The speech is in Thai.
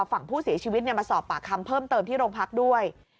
ฝั่งผู้เสียชีวิตมาสอบปากคำเพิ่มเติมที่โรงพักด้วย